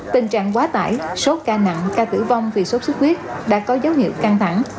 tình trạng quá tải số ca nặng ca tử vong vì sốt xuất huyết đã có dấu hiệu căng thẳng